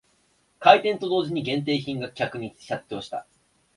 開店と同時に限定品に客が殺到した